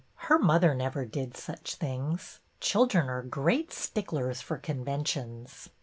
Her mother never did such things. Chil dren are great sticklers for conventions.